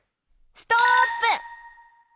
ストップ！